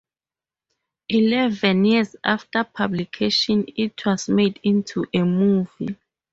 Eleven years after publication it was made into a movie.